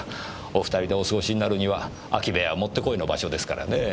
お２人でお過ごしになるには空き部屋はもってこいの場所ですからねぇ。